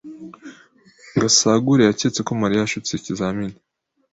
Gasagure yaketse ko Mariya yashutse ikizamini.